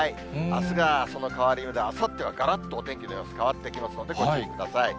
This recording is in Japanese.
あすがその変わり目で、がらっとお天気の様子、変わってきますので、ご注意ください。